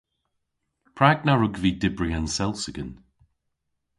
Prag na wrug vy dybri an selsigen?